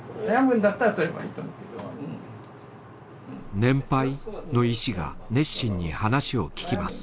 年配？の医師が熱心に話を聞きます。